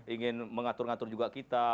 ingin mengatur ngatur juga kita